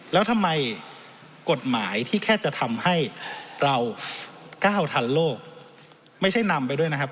แล้วทำไมกฎหมายที่แค่จะทำให้เราก้าวทันโลกไม่ใช่นำไปด้วยนะครับ